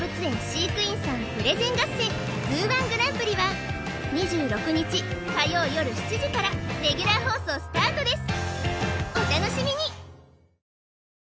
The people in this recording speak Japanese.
飼育員さんプレゼン合戦ＺＯＯ−１グランプリは２６日火曜よる７時からレギュラー放送スタートです